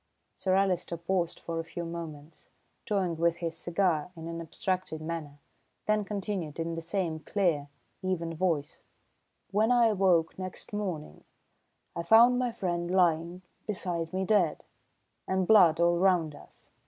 Sir Alister paused for a few moments, toying with his cigar in an abstracted manner, then continued in the same clear, even voice: "When I awoke next morning, I found my friend lying beside me dead, and blood all round us!